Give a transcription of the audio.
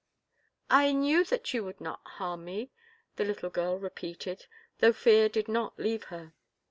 "I knew that you would not harm me," the little girl repeated, though fear did not leave her.